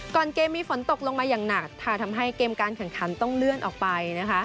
เกมมีฝนตกลงมาอย่างหนักทำให้เกมการแข่งขันต้องเลื่อนออกไป